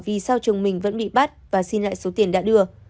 vì sao chồng mình vẫn bị bắt và xin lại số tiền đã đưa